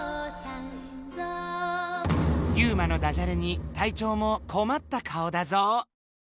ユウマのダジャレに隊長も困った顔だゾウ。